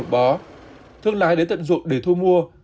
thước lái đến tận ruột để thu mua